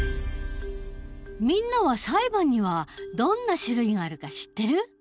みんなは裁判にはどんな種類があるか知ってる？